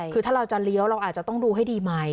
คือถ้าเราจะเลี้ยวเราอาจจะต้องดูให้ดีไหม